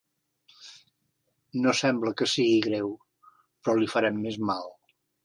No sembla que sigui greu, però li farem més mal.